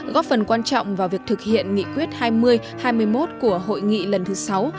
góp phần quan trọng vào việc thực hiện nghị quyết hai mươi hai mươi một của hội nghị lần thứ sáu